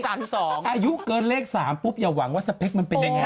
อายุเกินเลข๓ปุ๊บอย่าหวังว่าสเปคมันเป็นยังไง